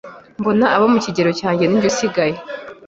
mbona abo mu kigero cyanjye ninjye usigaye,